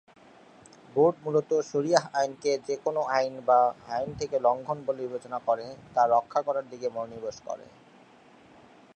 Board মূলত শরীয়াহ আইনকে যে কোনও আইন বা আইন থেকে লঙ্ঘন বলে বিবেচনা করে তা রক্ষা করার দিকে মনোনিবেশ করে।